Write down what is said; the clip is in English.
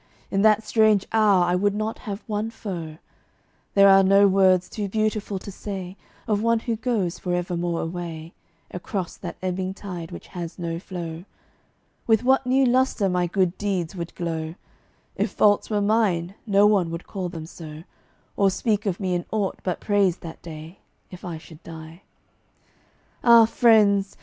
In that strange hour I would not have one foe. There are no words too beautiful to say Of one who goes forevermore away Across that ebbing tide which has no flow. With what new lustre my good deeds would glow! If faults were mine, no one would call them so, Or speak of me in aught but praise that day, If I should die. Ah, friends!